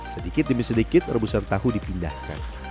sedikit demi sedikit rebusan tahu dipindahkan